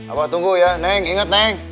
abah tunggu ya neng inget neng